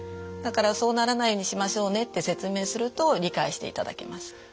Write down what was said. だからそうならないようにしましょうねって説明すると理解していただけます。